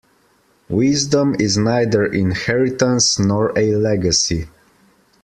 Wisdom is neither inheritance nor a legacy.